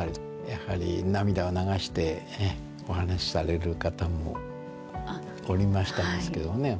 やはり涙を流してお話しされる方もおりましたんですけどね。